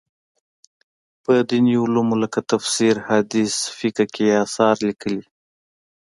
په دیني علومو لکه تفسیر، حدیث، فقه کې یې اثار لیکلي.